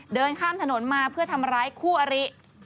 เดินข้ามถนนมาเพื่อทำร้ายคู่อริ